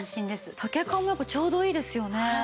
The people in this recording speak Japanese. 丈感もちょうどいいですよね。